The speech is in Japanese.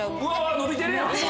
伸びてるやん。